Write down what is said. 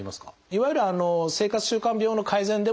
いわゆる生活習慣病の改善でもですね